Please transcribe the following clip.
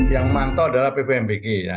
yang memantau adalah bvmbg